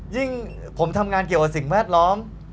ยิ่งผมทำงานเกี่ยวกับสิ่งแวดล้อม